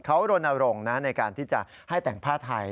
เขารณรงค์ในการที่จะให้แต่งผ้าไทย